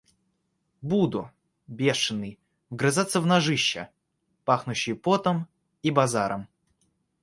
Буду, бешеный, вгрызаться в ножища, пахнущие потом и базаром.